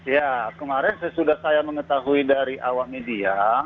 ya kemarin sesudah saya mengetahui dari awak media